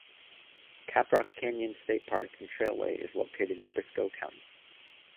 Caprock Canyons State Park and Trailway is located in Briscoe County.